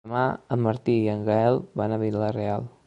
Demà en Martí i en Gaël van a Vila-real.